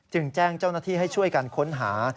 แจ้งเจ้าหน้าที่ให้ช่วยกันค้นหา